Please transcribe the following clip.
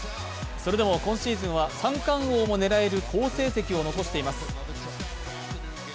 それでも今シーズンは、三冠王も狙える好成績を残しています。